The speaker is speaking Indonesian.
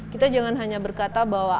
kita jangan hanya berkata bahwa